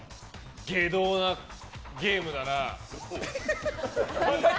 外道なゲームだな。